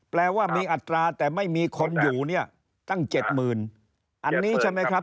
แปลว่ามีอัตราแต่ไม่มีคนอยู่เนี่ยตั้ง๗๐๐อันนี้ใช่ไหมครับ